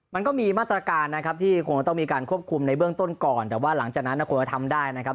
มันก็มีมาตรการนะครับที่คงต้องมีการควบคุมในเบื้องต้นก่อนแต่ว่าหลังจากนั้นคนก็ทำได้นะครับ